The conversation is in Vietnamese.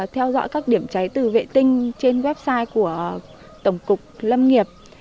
theo dõi các điểm cháy từ vệ tinh trên website của tổng cục lâm nghiệp